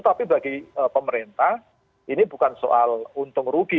tapi bagi pemerintah ini bukan soal untung rugi